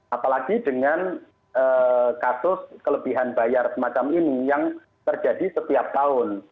apalagi dengan kasus kelebihan bayar semacam ini yang terjadi setiap tahun